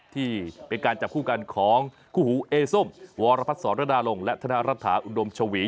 ที่เป็นการจับคู่กันของคู่หูเอส้มวรพัฒรดาลงและธนรัฐาอุดมชวี